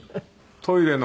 トイレは。